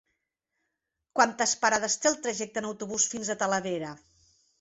Quantes parades té el trajecte en autobús fins a Talavera?